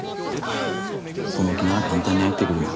その気なら簡単に入ってくるよ。